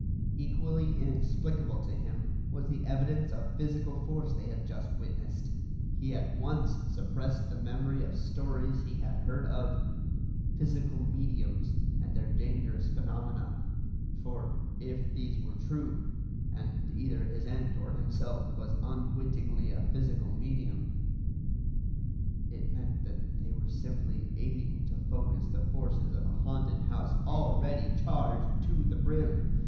Equally inexplicable to him was the evidence of physical force they had just witnessed. He at once suppressed the memory of stories he had heard of "physical mediums" and their dangerous phenomena; for if these were true, and either his aunt or himself was unwittingly a physical medium, it meant that they were simply aiding to focus the forces of a haunted house already charged to the brim.